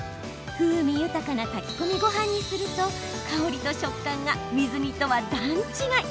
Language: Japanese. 風味豊かな炊き込みごはんにすると香りと食感が水煮とは段違い。